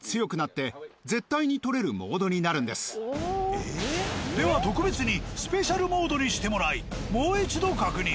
ええっ？では特別にスペシャルモードにしてもらいもう一度確認。